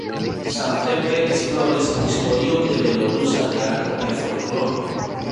Samtempe esploris historion de belorusa teatro kaj folkloro.